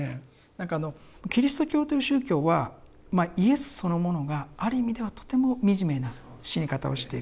何かあのキリスト教という宗教はまあイエスそのものがある意味ではとても惨めな死に方をしていく。